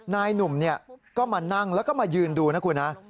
นายหนุ่มก็มานั่งแล้วก็มายืนดูนะคุณฮะ